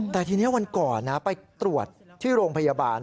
แต่ทีนี้วันก่อนนะไปตรวจที่โรงพยาบาล